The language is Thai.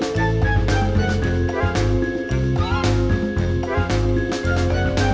บอกแล้วให้เอาข้าวหลามมา